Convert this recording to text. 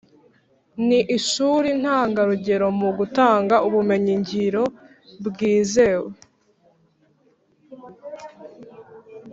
ni ishuri ntangarugero mu gutanga ubumenyi ngiro bwizewe